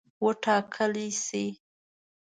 وټاکلي سي.